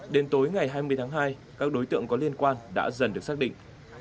đến tối ngày hai mươi tháng hai các đối tượng có liên quan đã dần được xác định